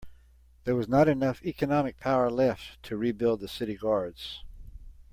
There was not enough economic power left to rebuild the city guards.